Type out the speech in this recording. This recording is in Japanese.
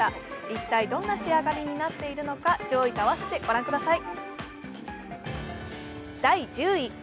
一体どんな仕上がりになっているのが上位と合わせて御覧ください。